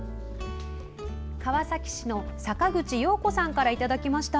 川崎市の坂口陽子さんからいただきました。